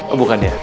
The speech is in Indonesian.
oh bukan ya